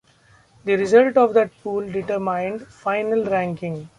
The results of that pool determined final ranking.